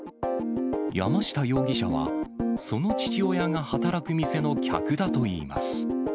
山下容疑者は、その父親が働く店の客だといいます。